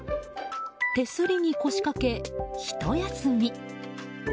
手すりに腰かけ、ひと休み。